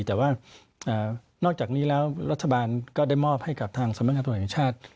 แต่ว่านอกจากนี้แล้วรัฐบาลก็ได้มอบให้กับทางสมัยงานธุรกิจชาติ